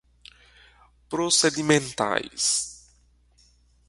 procedimentais